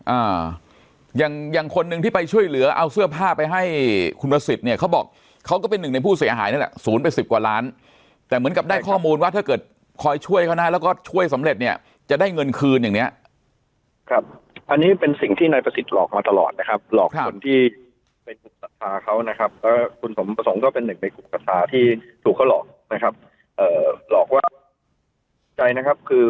อ่าอย่างอย่างคนนึงที่ไปช่วยเหลือเอาเสื้อผ้าไปให้คุณประสิทธิ์เนี้ยเขาบอกเขาก็เป็นหนึ่งในผู้เสียหายนั่นแหละศูนย์ไปสิบกว่าล้านแต่เหมือนกับได้ข้อมูลว่าถ้าเกิดคอยช่วยเขาน่ะแล้วก็ช่วยสำเร็จเนี้ยจะได้เงินคืนอย่างเนี้ยครับอันนี้เป็นสิ่งที่นายประสิทธิ์หลอกมาตลอดนะครับหลอกคนที่เป็นกลุ่